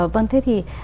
vâng thế thì